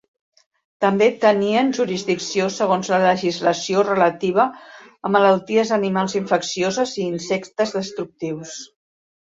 També tenien jurisdicció segons la legislació relativa a malalties animals infeccioses i insectes destructius.